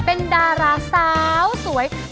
มีความรู้สึกว่า